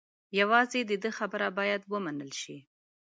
یوازې د ده خبره باید و منل شي.